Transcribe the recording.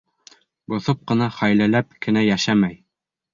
Боҫоп ҡына, хәйләләп кенә йәшәмәй.